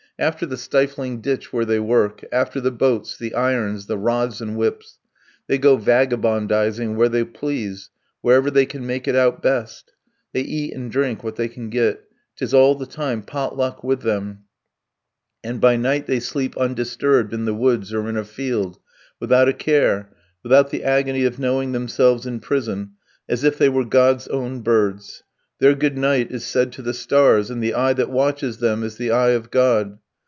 After the stifling ditch where they work, after the boats, the irons, the rods and whips, they go vagabondizing where they please, wherever they can make it out best; they eat and drink what they can get, 'tis all the time pot luck with them; and by night they sleep undisturbed in the woods or in a field, without a care, without the agony of knowing themselves in prison, as if they were God's own birds; their "good night" is said to the stars, and the eye that watches them is the eye of God.